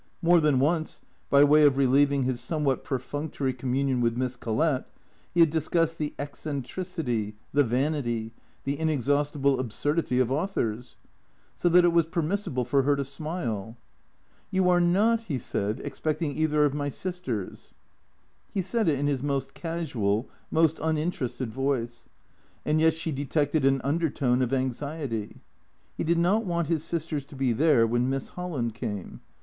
More than once, by way of relieving his some what perfunctory communion with Miss Collett, he had discussed the eccentricity, the vanity, the inexhaustible absurdity of au thors. So that it was permissible for her to smile. " You are not," he said, " expecting either of my sisters ?" He said it in his most casual, most uninterested voice. And yet she detected an undertone of anxiety. He did not want his sisters to be there when Miss Holland came.